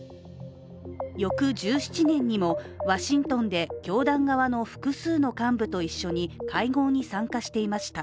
翌１７年にもワシントンで教団側の複数の幹部と一緒に会合に参加していました。